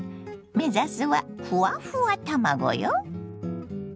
目指すはふわふわ卵よ。